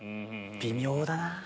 微妙だなぁ。